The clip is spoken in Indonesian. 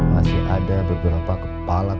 masih ada beberapa kepala